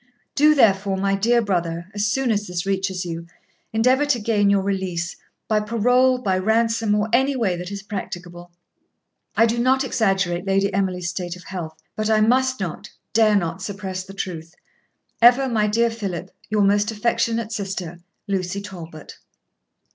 'Do therefore, my dear brother, as soon as this reaches you, endeavour to gain your release, by parole, by ransom, or any way that is practicable. I do not exaggerate Lady Emily's state of health; but I must not dare not suppress the truth. Ever, my dear Philip, your most affectionate sister, 'Lucy TALBOT.'